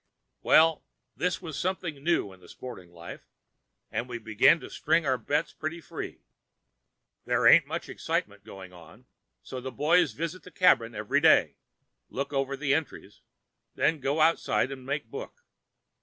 Well, this is something new in the sporting line, and we begin to string our bets pretty free. There ain't much excitement going on, so the boys visit the cabin every day, look over the entries, then go outside and make book.